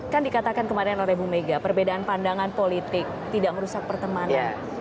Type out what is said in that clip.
kan dikatakan kemarin oleh bu mega perbedaan pandangan politik tidak merusak pertemanan